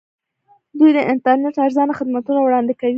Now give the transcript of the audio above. دوی د انټرنیټ ارزانه خدمتونه وړاندې کوي.